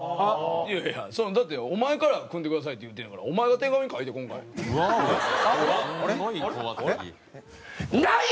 いやいやだってお前から「組んでください」って言うたんやからお前が手紙書いてこんかい。